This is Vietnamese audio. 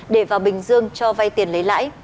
để vào bình dương cho vay tiền lấy lãi